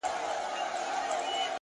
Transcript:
پوهه د ژوند انتخابونه ډېروي,